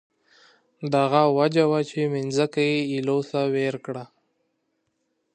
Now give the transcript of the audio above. همدا وجه وه چې ځمکه یې له لاسه ورکړه.